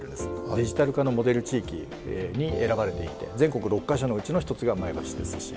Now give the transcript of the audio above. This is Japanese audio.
デジタル化のモデル地域に選ばれていて全国６か所のうちの一つが前橋ですし。